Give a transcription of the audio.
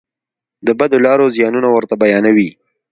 د بدو لارو زیانونه ورته بیانوي.